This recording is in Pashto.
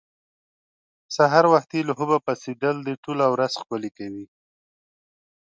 سهار وختي له خوبه پاڅېدل دې ټوله ورځ ښکلې کوي.